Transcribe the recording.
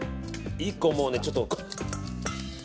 １個もうね、ちょっと。